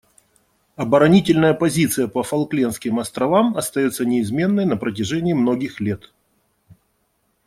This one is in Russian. Оборонительная позиция по Фолклендским островам остается неизменной на протяжении многих лет.